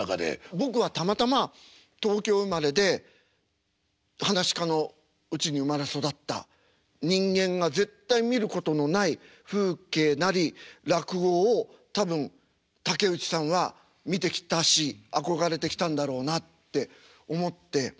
僕はたまたま東京生まれで噺家のうちに生まれ育った人間が絶対に見ることのない風景なり落語を多分竹内さんは見てきたし憧れてきたんだろうなって思って。